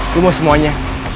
lo mau semuanya